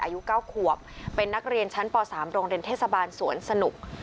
อายุ๙ขวบเป็นนักเรียนชั้นป๓โรงเรียนเทศบาลสวนสนุก